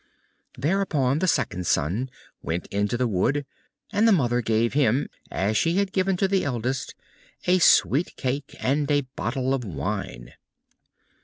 Thereupon the second son went into the wood, and the Mother gave him, as she had given to the eldest, a sweet cake and a bottle of wine.